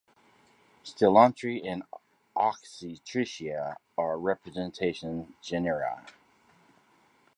"Stylonychia" and "Oxytricha" are representative genera.